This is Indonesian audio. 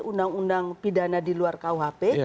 undang undang pidana di luar kuhp